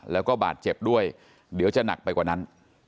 แล้วก็บาดเจ็บด้วยเดี๋ยวจะหนักไปกว่านั้น